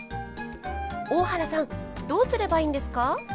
大原さんどうすればいいんですか？